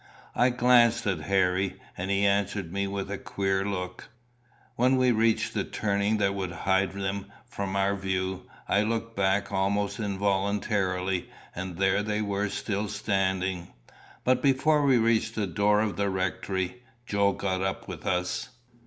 I glanced at Harry, and he answered me with a queer look. When we reached the turning that would hide them from our view, I looked back almost involuntarily, and there they were still standing. But before we reached the door of the rectory, Joe got up with us.